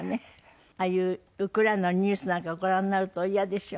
ああいうウクライナのニュースなんかをご覧になるとおイヤでしょ？